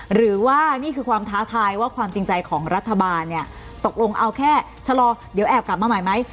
หรือว่านี่คือความท้าทายว่าความจริงใจของรัฐบาลเนี่ยตกลงเอาแค่ชะลอเดี๋ยวแอบกลับมาใหม่ไหม